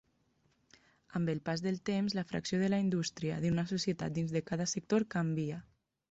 Amb el pas del temps, la fracció de la indústria d'una societat dins de cada sector canvia.